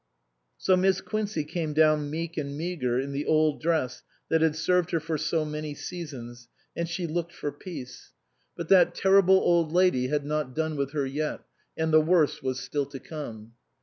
So Miss Quincey came down meek and meagre in the old dress that had served her for so many seasons, and she looked for peace. But that 261 SUPERSEDED terrible old lady had not done with her yet, and the worst was still to come.